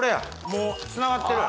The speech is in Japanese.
もうつながってる？